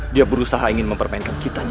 dia berusaha ingin mempermainkan kitanya